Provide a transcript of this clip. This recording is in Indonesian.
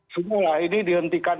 semuanya ini dihentikan